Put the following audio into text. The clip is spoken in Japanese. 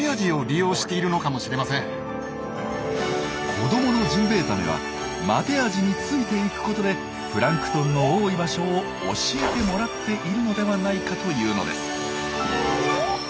子どものジンベエザメはマテアジについていくことでプランクトンの多い場所を教えてもらっているのではないかというのです。